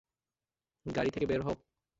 গাড়ি থেকে বের হও!